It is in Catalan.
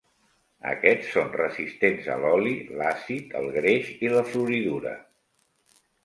Aquests són resistents a l"oli, l"àcid, el greix i la floridura.